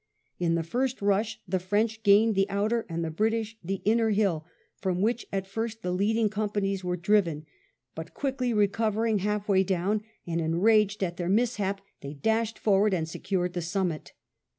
In the first rush the French gained the outer and the British the inner hill, from which at first the leading companies were driven, but quickly recovering half way down, and enraged at their mishap, they dashed forward and secured the summit.